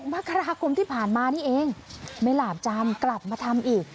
มกราคมที่ผ่านมานี่เองไม่หลาบจามกลับมาทำอีก